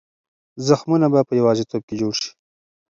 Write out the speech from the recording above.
زخمونه به په یوازیتوب کې جوړ شي.